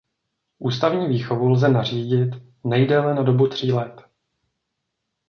Ústavní výchovu lze nařídit nejdéle na dobu tří let.